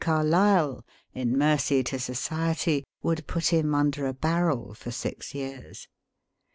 CARLYLE, in mercy to society, wouj.d put him under a barrel for six years.